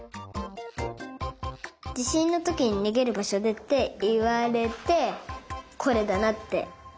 じしんのときににげるばしょでっていわれてこれだなって。